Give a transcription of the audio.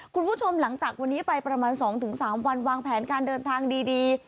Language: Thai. คุณผู้ชมหลังจากวันนี้ไปประมาณ๒๓วันวางแผนการเดินทางดี